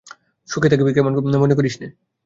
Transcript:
সুখে থাকিবি মনে করিস নে।